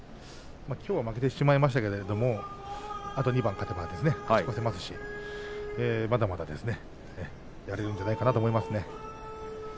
きょうは負けてしまいましたがあと２番勝てば勝ち越しもできますしまだまだやれるんじゃないかと思います。